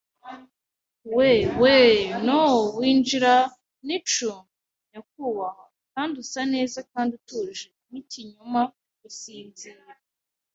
we! we! Noo winjira nu icumbi, nyakubahwa, kandi usa neza kandi utuje nkikinyoma; gusinzira '